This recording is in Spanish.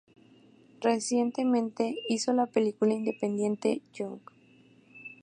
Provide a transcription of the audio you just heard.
Recientemente, hizo la película independiente "Junk".